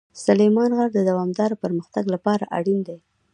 سلیمان غر د دوامداره پرمختګ لپاره اړین دی.